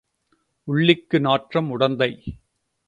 உள்ளிக்கு நாற்றம் உடந்தை.